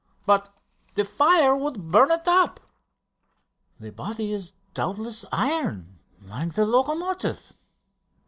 "But the fire would burn it up...." "The body is doubtless iron, like the locomotive."